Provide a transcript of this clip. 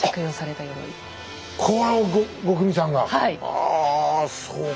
あそうか。